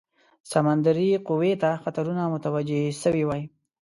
سمندري قوې ته خطرونه متوجه سوي وای.